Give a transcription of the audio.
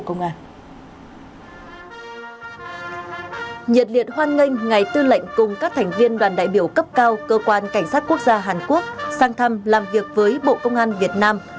nhiệt liệt hoan nghênh ngài tư lệnh cùng các thành viên đoàn đại biểu cấp cao cơ quan cảnh sát quốc gia hàn quốc sang thăm làm việc với bộ công an việt nam